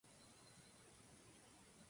Llega la noche y aún hay hombres por embarcar.